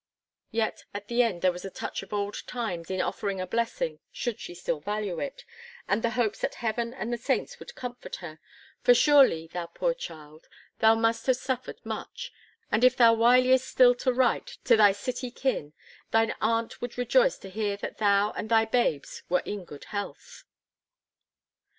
Yet at the end there was a touch of old times in offering a blessing, should she still value it, and the hopes that heaven and the saints would comfort her; "for surely, thou poor child, thou must have suffered much, and, if thou wiliest still to write to thy city kin, thine aunt would rejoice to hear that thou and thy babes were in good health."